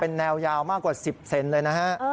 เป็นแนวยาวมากกว่า๑๐เซนติเมตรเลยนะฮะ